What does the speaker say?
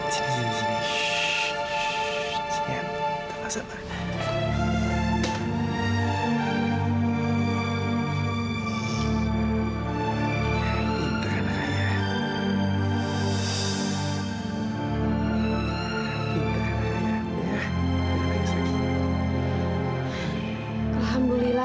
sini ya tak masalah